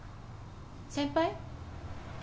先輩？